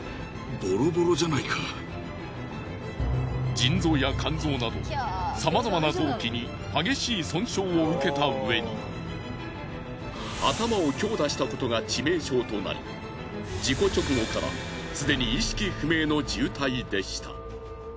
腎臓や肝臓などさまざまな臓器に激しい損傷を受けたうえに頭を強打したことが致命傷となり事故直後からすでに意識不明の重体でした。